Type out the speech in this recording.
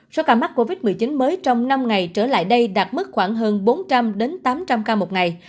số ca mắc covid một mươi chín mới trong năm ngày trở lại đây đạt mức khoảng hơn bốn trăm linh tám trăm linh ca một ngày